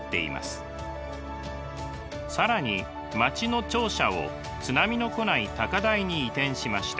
更に町の庁舎を津波の来ない高台に移転しました。